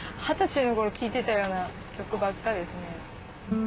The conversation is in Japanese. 二十歳の頃聴いてたような曲ばっかですね。